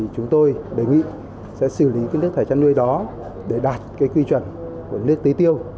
chúng tôi đề nghị xử lý chất thải chăn nuôi để đạt quy chuẩn của nước tế tiêu